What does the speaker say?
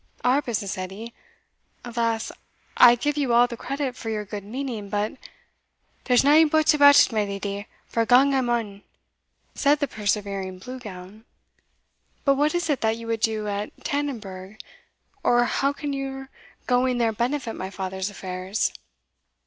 "Our business, Edie? Alas! I give you all credit for your good meaning; but" "There's nae buts about it, my leddy, for gang I maun," said the persevering Blue Gown. "But what is it that you would do at Tannonburgh? or how can your going there benefit my father's affairs?"